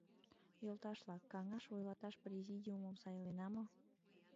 Йолташ-влак, каҥаш вуйлаташ президиумым сайлена мо?